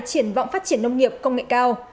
triển vọng phát triển nông nghiệp công nghệ cao